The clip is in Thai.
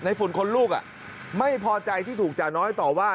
ฝุ่นคนลูกไม่พอใจที่ถูกจ่าน้อยต่อว่า